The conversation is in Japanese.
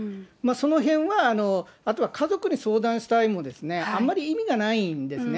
そのへんは、あとは家族に相談したりもあんまり意味がないんですね。